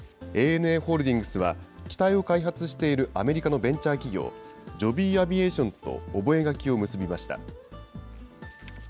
ＡＮＡホールディングスは、機体を開発しているアメリカのベンチャー企業、ジョビー・アビエーションと、覚書を結びました。